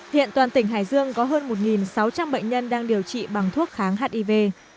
hiện toàn tỉnh hải dương có hơn một sáu trăm linh bệnh nhân đang điều trị bằng thuốc kháng hiv